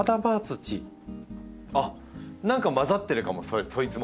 あっ何か混ざってるかもそいつも。